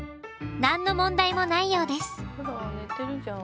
何の問題もないようです！